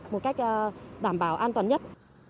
một cách đảm bảo an toàn nhất